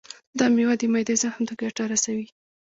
دا میوه د معدې زخم ته ګټه رسوي.